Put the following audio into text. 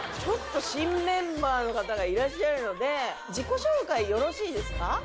ちょっと新メンバーの方がいらっしゃるので自己紹介よろしいですか？